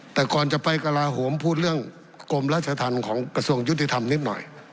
แต่ก่อนจะไปกระลาโหมพูดเรื่องกรมราชธรรมของกระทรวงยุติธรรมนิดหน่อย